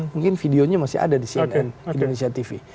mungkin videonya masih ada di cnn indonesia tv